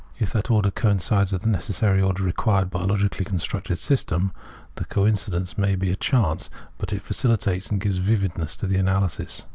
If that order coincides with the necessary order re.quired by a logically constructed system, the coin cidence may be a chance, but it facilitates and gives vividness to the analysis.